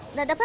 tidak ada apa